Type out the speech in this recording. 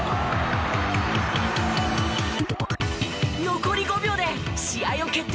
残り５秒で試合を決定